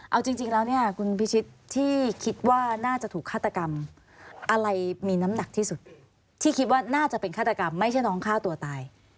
เอาจริงแล้วเนี่ยคุณพิชิตที่คิดว่าน่าจะถูกฆาตกรรมอะไรมีน้ำหนักที่สุดที่คิดว่าน่าจะเป็นฆาตกรรมไม่ใช่น้องฆ่าตัวตาย